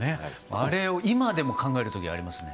あれを今でも考えるときありますね。